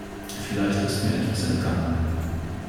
Vielleicht ist mir etwas entgangen.